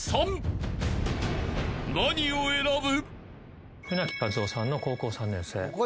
［何を選ぶ？］